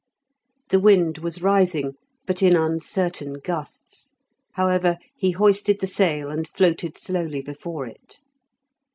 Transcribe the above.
The wind was rising, but in uncertain gusts; however, he hoisted the sail, and floated slowly before it.